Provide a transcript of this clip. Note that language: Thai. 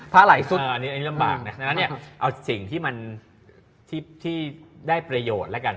พระไหล่สุดอันนี้ลำบากดังนั้นเอาสิ่งที่ได้ประโยชน์แล้วกัน